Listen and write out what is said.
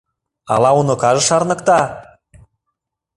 Ала уныкаже шарныкта?